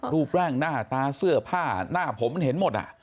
รูปร่างหน้าตาเสื้อผ้าหน้าผมเห็นหมด